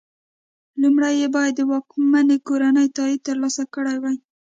لومړی یې باید د واکمنې کورنۍ تایید ترلاسه کړی وای.